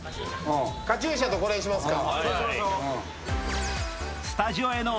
カチューシャとこれ、しますか？